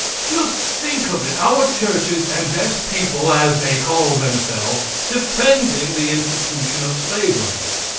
Just think of it! Our churches and best people, as they call themselves, defending the institution of slavery.